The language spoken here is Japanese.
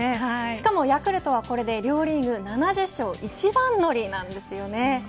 しかもヤクルトはこれで両リーグ、７０勝一番乗りなんですよね。